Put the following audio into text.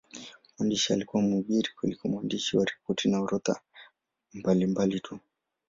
Mwandishi alikuwa mhubiri kuliko mwandishi wa ripoti na orodha mbalimbali tu.